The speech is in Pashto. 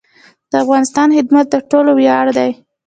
د افغانستان خدمت د ټولو ویاړ دی